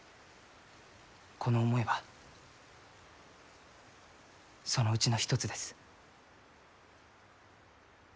この思いはそのうちの一つです。